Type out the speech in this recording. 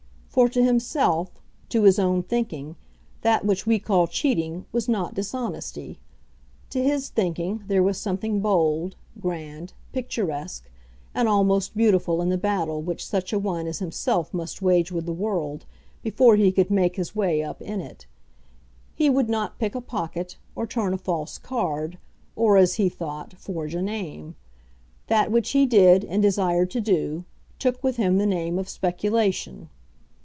For to himself, to his own thinking, that which we call cheating was not dishonesty. To his thinking there was something bold, grand, picturesque, and almost beautiful in the battle which such a one as himself must wage with the world before he could make his way up in it. He would not pick a pocket, or turn a false card, or, as he thought, forge a name. That which he did, and desired to do, took with him the name of speculation.